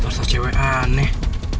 terserah cewek aneh